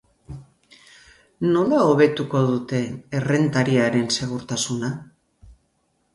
Nola hobetuko dute errentariaren segurtasuna?